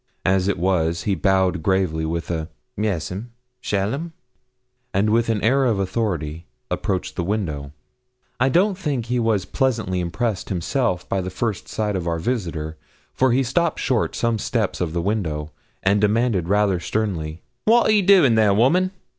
As it was, he bowed gravely, with a 'Yes, 'm shall, 'm.' And with an air of authority approached the window. I don't think that he was pleasantly impressed himself by the first sight of our visitor, for he stopped short some steps of the window, and demanded rather sternly 'What ye doin' there, woman?'